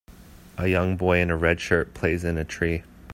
A young boy in a red shirt plays in a tree.